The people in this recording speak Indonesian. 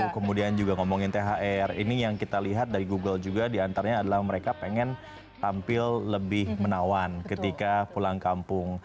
kemudian juga ngomongin thr ini yang kita lihat dari google juga diantaranya adalah mereka pengen tampil lebih menawan ketika pulang kampung